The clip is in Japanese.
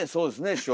師匠。